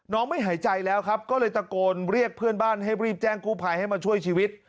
ไม่หายใจแล้วครับก็เลยตะโกนเรียกเพื่อนบ้านให้รีบแจ้งกู้ภัยให้มาช่วยชีวิต